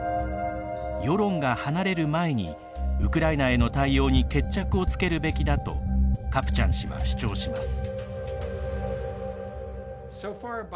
世論が離れる前にウクライナへの対応に決着をつけるべきだとカプチャン氏は主張します。